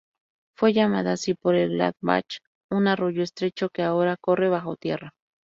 Fue llamada así por el Gladbach, un arroyo estrecho que ahora corre bajo tierra.